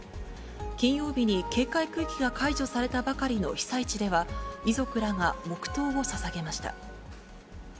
金曜日に警戒区域が解除されたばかりの被災地では、遺族らが黙とうをささげました。